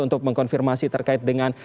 untuk mengkonfirmasi terkait dengan